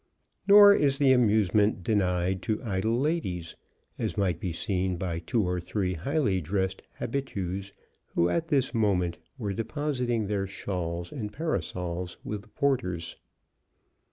Nor is the amusement denied to idle ladies, as might be seen by two or three highly dressed habituées who at this moment were depositing their shawls and parasols with the porters.